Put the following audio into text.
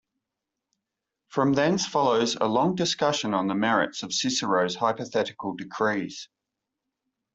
From thence follows a long discussion on the merits of Cicero's hypothetical decrees.